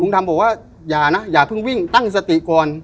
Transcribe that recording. ทำบอกว่าอย่านะอย่าเพิ่งวิ่งตั้งสติก่อน